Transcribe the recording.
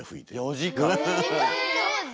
４時間。え！？